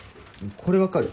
これ分かる？